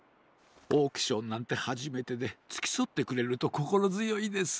オークションなんてはじめてでつきそってくれるとこころづよいです。